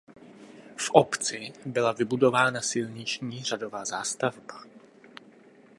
V obci byla vybudována silniční řadová zástavba.